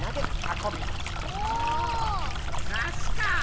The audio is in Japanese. なしかあ。